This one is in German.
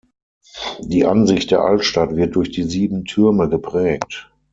Die Ansicht der Altstadt wird durch die Sieben Türme geprägt.